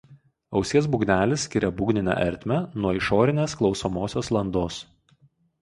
Ausies būgnelis skiria būgninę ertmę nuo išorinės klausomosios landos.